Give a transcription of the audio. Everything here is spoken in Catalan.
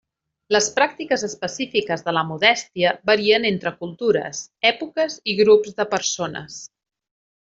Les pràctiques específiques de la modèstia varien entre cultures, èpoques i grups de persones.